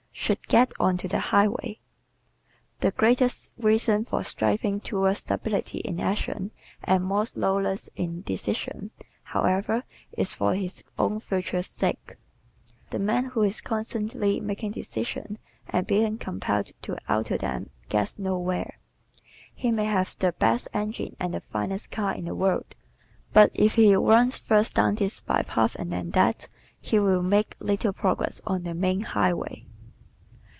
Should Get Onto the Highway ¶ The greatest reason for striving toward stability in action and more slowness in decision, however, is for his own future's sake. The man who is constantly making decisions and being compelled to alter them gets nowhere. He may have the best engine and the finest car in the world but if he runs first down this by path, and then that, he will make little progress on the main highway.